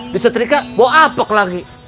disetrika bawa apek lagi